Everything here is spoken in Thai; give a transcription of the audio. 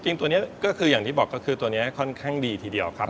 ตัวนี้ก็คืออย่างที่บอกก็คือตัวนี้ค่อนข้างดีทีเดียวครับ